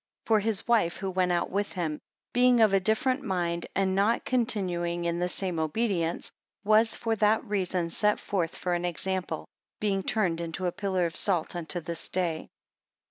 3 For his wife who went out with him, being of a different mind, and not continuing in the same obedience, was for that reason set forth for an example, being turned into a pillar of salt unto this day.